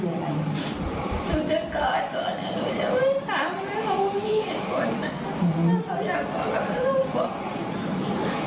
แต่ตอนแรกที่จะถามพ่อคืออะไร